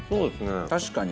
確かに。